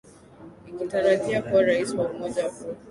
ikitarajia kuwa rais wa umoja huo